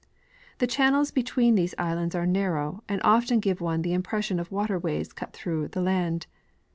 The channels between these islands are narrow, and often give one the im pression of waterways cut through the land.